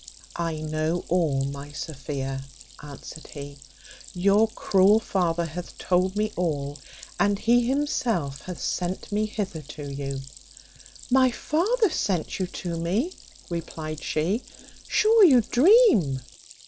"I know all, my Sophia," answered he; "your cruel father hath told me all, and he himself hath sent me hither to you." "My father sent you to me!" replied she: "sure you dream."